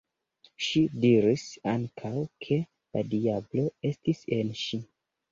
Ŝi diris ankaŭ, ke la diablo estis en ŝi.